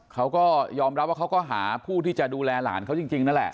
เขาก็ยอมรับว่าเขาก็หาผู้ที่จะดูแลหลานเขาจริงนั่นแหละ